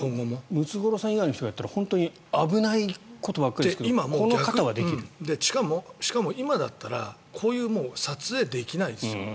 ムツゴロウさん以外の人がやったら危ないことばかりだけどしかも今だったらこういう撮影、できないですよ。